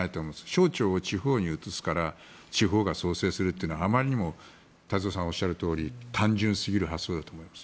省庁を地方に移すから地方が創生するというのはあまりにも太蔵さんがおっしゃるとおり単純すぎる発想だと思います。